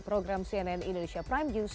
program cnn indonesia prime news